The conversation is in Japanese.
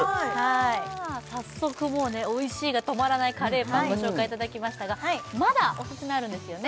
早速おいしいが止まらないカレーパンご紹介いただきましたがまだオススメあるんですよね？